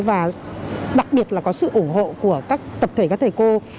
và đặc biệt là có sự ủng hộ của các tập thể các thầy cô